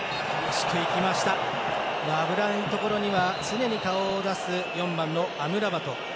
危ないところには常に顔を出す、４番のアムラバト。